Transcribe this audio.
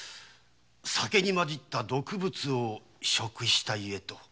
酒に混じった毒物を食したゆえと。